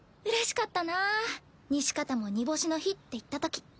うれしかったなぁ西片も煮干しの日って言ったとき。